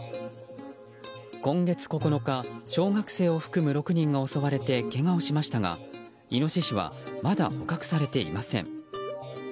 今月９日、小学生を含む６人が襲われてけがをしましたがイノシシはまだ捕獲されていません。